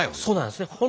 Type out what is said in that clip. そうなんですね。